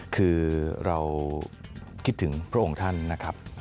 คือเราคิดถึงพระองค์ท่านนะครับ